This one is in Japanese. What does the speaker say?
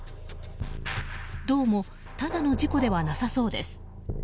どうもただの事故ではなさそうです。